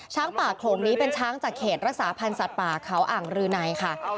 ช้างป่าโครงนี้เป็นช้างจากเขตรักษาผันซัดป่าเขาอ่างรือในค่ะ